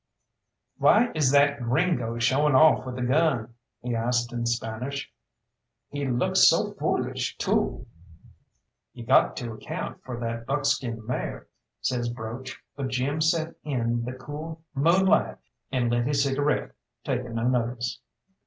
"Why is that gringo showing off with a gun?" he asked in Spanish. "He looks so foolish, too!" "You got to account for that buckskin mare," says Broach, but Jim set in the cool moonlight and lit his cigarette, taking no notice.